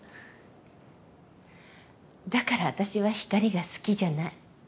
だから私は光が好きじゃない。